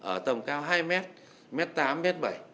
ở tầm cao hai m một m tám một m bảy